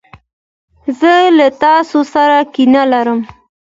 زه له تاسو سره کینه لرم.